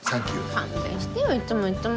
勘弁してよいっつもいっつも。